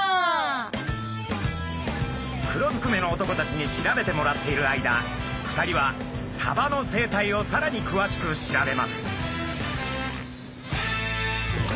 黒ずくめの男たちに調べてもらっている間２人はサバの生態をさらにくわしく調べます。